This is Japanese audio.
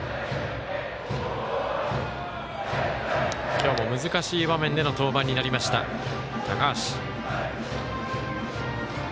今日も難しい場面での登板になりました、高橋。